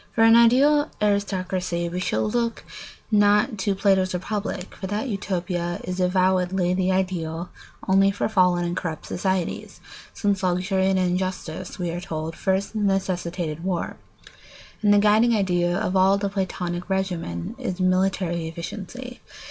] For an ideal aristocracy we should not look to Plato's Republic, for that Utopia is avowedly the ideal only for fallen and corrupt states, since luxury and injustice, we are told, first necessitated war, and the guiding idea of all the Platonic regimen is military efficiency.